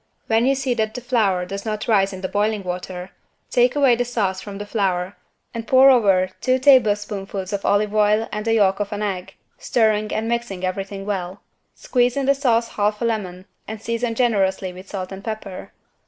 When you see that the flour does not rise in the boiling water, take away the sauce from the flour and pour over two tablespoonfuls of olive oil and the yolk of an egg, stirring and mixing everything well. Squeeze in the sauce half a lemon and season generously with salt and pepper.